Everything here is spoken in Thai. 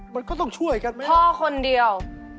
พ่อคนเดียว